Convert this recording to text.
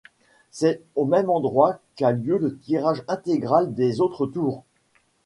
C'est au même endroit qu'a lieu le tirage intégral des autres tours.